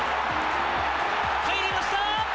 入りました！